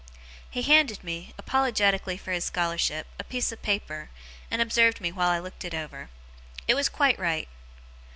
He handed me, apologetically for his scholarship, a piece of paper, and observed me while I looked it over. It was quite right.